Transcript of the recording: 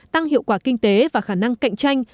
tăng hiệu quả kinh tế và khả năng cạnh tranh